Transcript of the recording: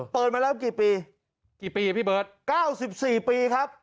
เปิดมาแล้วกี่ปีกี่ปีพี่เบิร์ต๙๔ปีครับ